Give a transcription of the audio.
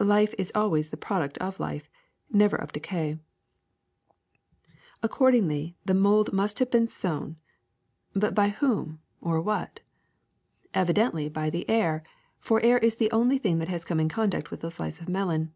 Life is always the product of life, never of decay. ^* Accordingly, the mold must have been sown. 314 THE SECRET OF EVERYDAY THINGS But by whom or what! Evidently by the air, for air is the only thing that has come in contact with the slice of melon.